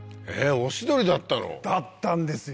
オシドリだったの？だったんですよ。